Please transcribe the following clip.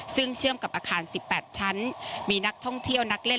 ซึ่งเชื่อมกับอาคาร๑๘ชั้นมีนักท่องเที่ยวนักเล่น